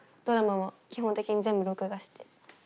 ドラマも基本的に全部録画して。